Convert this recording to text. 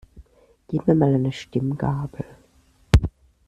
Gib mir mal eine Stimmgabel.